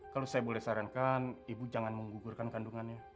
kalau saya boleh sarankan ibu jangan menggugurkan kandungannya